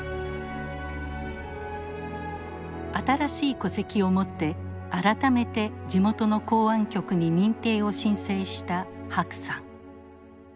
新しい戸籍を持って改めて地元の公安局に認定を申請した白さん。